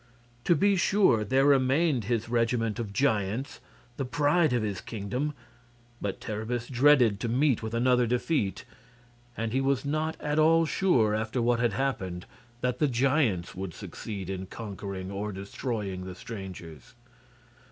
To be sure, there remained his regiment of Giants, the pride of his kingdom; but Terribus dreaded to meet with another defeat; and he was not at all sure, after what had happened, that the giants would succeed in conquering or destroying the strangers.